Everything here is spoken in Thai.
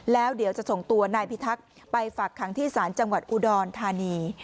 แล้วเดี๋ยวจะส่งตัวนายพิทักษ์ไปฝากขังที่ศาลจังหวัดอุดรธานี